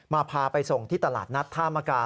พาไปส่งที่ตลาดนัดท่ามกา